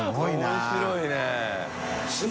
面白いね。